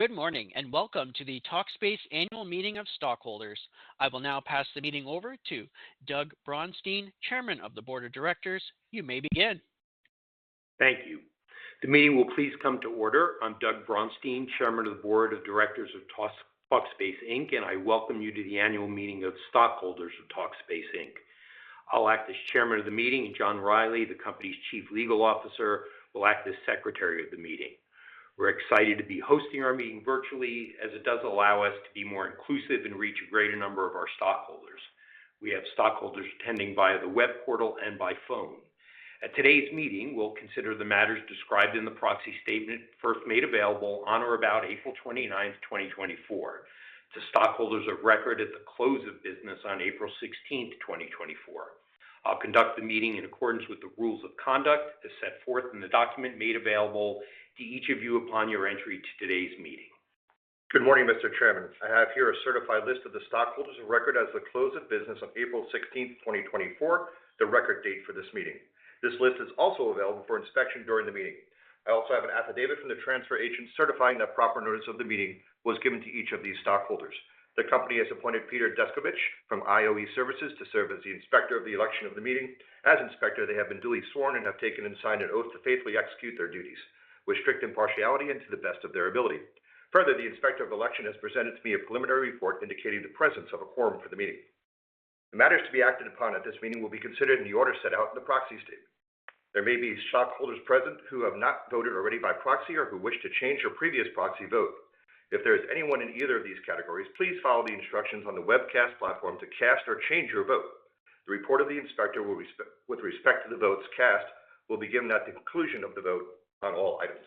Good morning and welcome to the Talkspace annual meeting of stockholders. I will now pass the meeting over to Doug Braunstein, Chairman of the Board of Directors. You may begin. Thank you. The meeting will please come to order. I'm Doug Braunstein, Chairman of the Board of Directors of Talkspace Inc., and I welcome you to the annual meeting of stockholders of Talkspace Inc. I'll act as Chairman of the meeting, and John Reilly, the company's Chief Legal Officer, will act as Secretary of the meeting. We're excited to be hosting our meeting virtually as it does allow us to be more inclusive and reach a greater number of our stockholders. We have stockholders attending via the web portal and by phone. At today's meeting, we'll consider the matters described in the proxy statement first made available on or about April 29, 2024. It's the stockholders of record at the close of business on April 16, 2024. I'll conduct the meeting in accordance with the rules of conduct as set forth in the document made available to each of you upon your entry to today's meeting. Good morning, Mr. Chairman. I have here a certified list of the stockholders of record as of the close of business on April 16, 2024, the record date for this meeting. This list is also available for inspection during the meeting. I also have an affidavit from the transfer agent certifying that proper notice of the meeting was given to each of these stockholders. The company has appointed Peter Descovich from IOE Services to serve as the inspector of the election of the meeting. As inspector, they have been duly sworn and have taken and signed an oath to faithfully execute their duties with strict impartiality and to the best of their ability. Further, the inspector of election has presented to me a preliminary report indicating the presence of a quorum for the meeting. The matters to be acted upon at this meeting will be considered in the order set out in the proxy statement. There may be stockholders present who have not voted already by proxy or who wish to change their previous proxy vote. If there is anyone in either of these categories, please follow the instructions on the webcast platform to cast or change your vote. The report of the inspector with respect to the votes cast will begin at the conclusion of the vote on all items.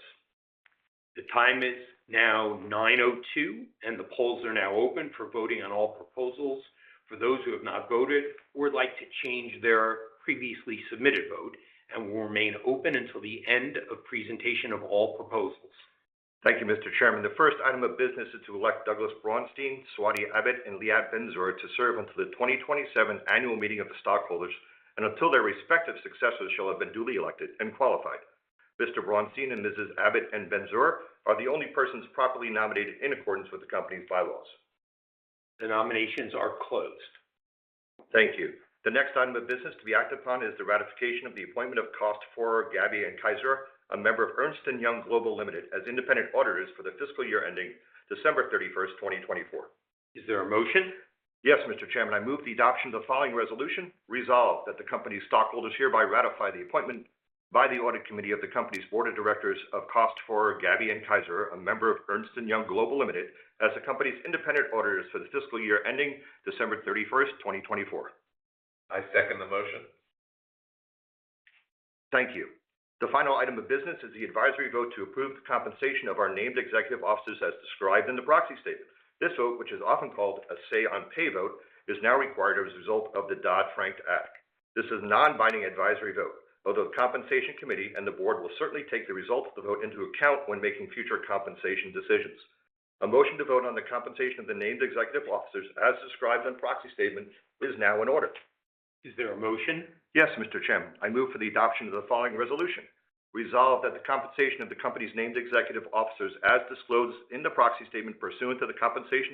The time is now 9:02 A.M., and the polls are now open for voting on all proposals. For those who have not voted or would like to change their previously submitted vote, it will remain open until the end of presentation of all proposals. Thank you, Mr. Chairman. The first item of business is to elect Douglas Braunstein, Swati Abbott, and Liat Ben-Zur to serve until the 2027 annual meeting of the stockholders and until their respective successors shall have been duly elected and qualified. Mr. Braunstein, Mrs. Abbott, and Ben-Zur are the only persons properly nominated in accordance with the company's bylaws. The nominations are closed. Thank you. The next item of business to be acted upon is the ratification of the appointment of Kost Forer Gabbay & Kasierer, a member of Ernst & Young Global Limited, as independent auditors for the fiscal year ending December 31, 2024. Is there a motion? Yes, Mr. Chairman. I move the adoption of the following resolution: resolve that the company's stockholders hereby ratify the appointment by the audit committee of the company's board of directors of Kost Forer Gabbay & Kasierer, a member of Ernst & Young Global Limited, as the company's independent auditors for the fiscal year ending December 31, 2024. I second the motion. Thank you. The final item of business is the advisory vote to approve the compensation of our named executive officers as described in the proxy statement. This vote, which is often called a say-on-pay vote, is now required as a result of the Dodd-Frank Act. This is a non-binding advisory vote, although the compensation committee and the board will certainly take the result of the vote into account when making future compensation decisions. A motion to vote on the compensation of the named executive officers as described in the proxy statement is now in order. Is there a motion? Yes, Mr. Chairman. I move for the adoption of the following resolution: resolve that the compensation of the company's named executive officers as disclosed in the proxy statement pursuant to the compensation.